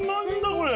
これ。